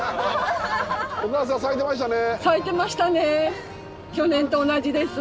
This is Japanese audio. お母さん咲いてましたね。